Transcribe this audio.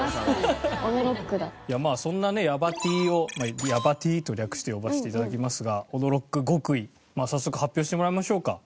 まあそんなねヤバＴを「ヤバＴ」と略して呼ばせて頂きますが驚ック極意早速発表してもらいましょうか。